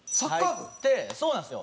そうなんですよ。